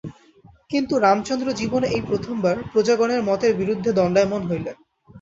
কিন্তু রামচন্দ্র জীবনে এই প্রথমবার প্রজাগণের মতের বিরুদ্ধে দণ্ডায়মান হইলেন।